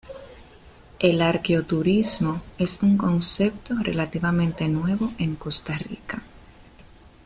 El arqueo-turismo es un concepto relativamente nuevo en Costa Rica.